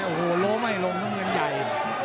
โอ้โหโล้ไม่ลงน้ำเงินใหญ่